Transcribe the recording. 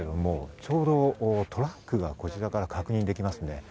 ちょうどトラックがこちらから確認できます。